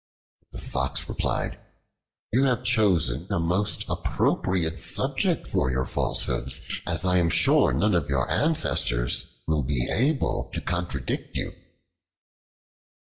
The Fox replied, "You have chosen a most appropriate subject for your falsehoods, as I am sure none of your ancestors will be able to contradict you."